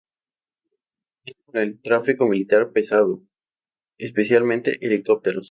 Cuenta con el tráfico militar pesado, especialmente helicópteros.